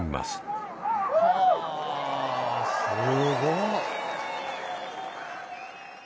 すごい。